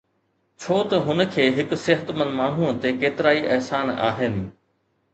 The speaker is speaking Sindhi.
ڇوته هن کي هڪ صحتمند ماڻهوءَ تي ڪيترائي احسان آهن